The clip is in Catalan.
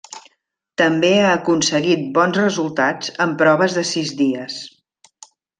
També ha aconseguit bons resultats en proves de sis dies.